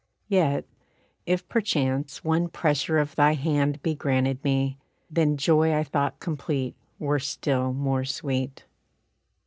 Yet, if perchance one pressure of thy hand Be granted me, then joy I thought complete Were still more sweet."